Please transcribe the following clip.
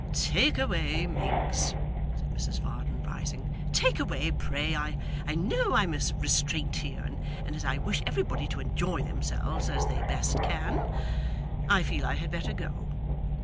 'Take away, Miggs,' said Mrs Varden, rising, 'take away, pray. I know I'm a restraint here, and as I wish everybody to enjoy themselves as they best can, I feel I had better go.